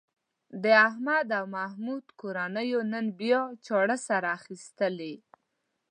د احمد او محمود کورنیو نن بیا چاړې سره ایستلې.